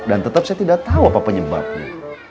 dan tetep saya tidak tahu apa penyebabnya